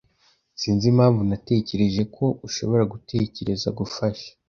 Sinzi impamvu natekereje ko ushobora gutekereza gufasha.